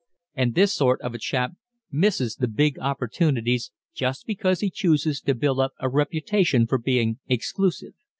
And this sort of a chap misses the big opportunities just because he chooses to build up a reputation for being exclusive.